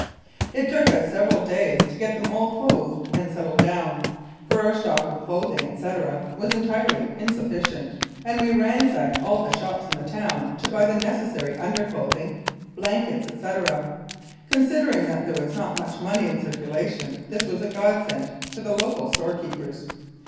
It took us several days to get them all clothed and settled down, for our stock of clothing, etc., was entirely insufficient, and we ransacked all the shops in the town to buy the necessary underclothing, blankets, etc. Con sidering that there was not much money in circulation, this was a godsend to the local storekeepers.